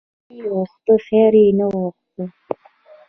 ـ زوی یې غوښت خیر یې نه غوښت .